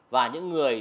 và những người